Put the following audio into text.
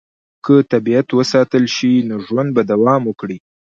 که طبیعت وساتل شي، نو ژوند به دوام وکړي.